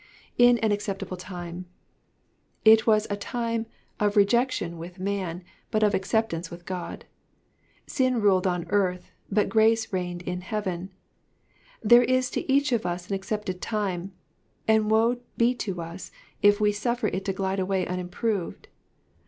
'*/;i an acceptdbh time.'*'' It was a time of rejection with man, but of acceptance with God. Sin ruled on earth, but grace reigned in heaven. There is to each of us an accepted time, and woe be to us if we suffer it to glide away unimproved.